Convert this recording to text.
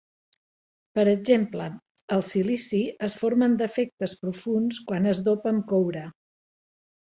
Per exemple, al silici es formen defectes profunds quan es dopa amb coure.